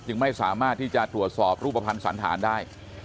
ไม่สามารถที่จะตรวจสอบรูปภัณฑ์สันธารได้